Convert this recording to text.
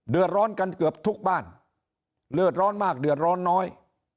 เดือดร้อนกันเกือบทุกบ้านเลือดร้อนมากเดือดร้อนน้อย